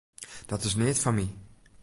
Dat is neat foar my.